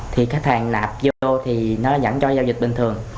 thì khách hàng nạp vô thì nó dẫn cho giao dịch bình thường